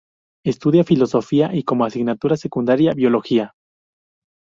Estudia filosofía y, como asignatura secundaria, biología.